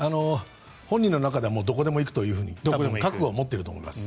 本人の中ではもうどこでも行くと覚悟は持っていると思います。